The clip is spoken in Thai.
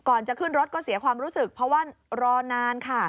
จะขึ้นรถก็เสียความรู้สึกเพราะว่ารอนานค่ะ